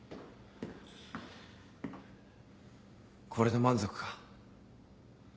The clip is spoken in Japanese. これで満足か？